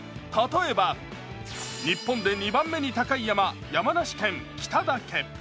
例えば日本で２番目に高い山、山梨県北岳。